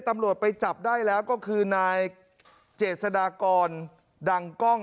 ตำรวจไปจับได้แล้วก็คือนายเจษฎากรดังกล้อง